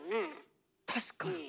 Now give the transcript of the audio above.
確かに。